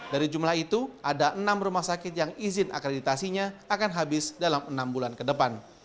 dari jumlah itu ada enam rumah sakit yang izin akreditasinya akan habis dalam enam bulan ke depan